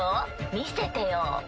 見せてよ。